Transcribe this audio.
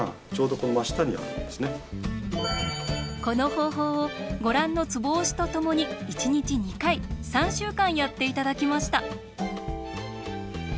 この方法をご覧のツボ押しとともに１日２回３週間やって頂きました。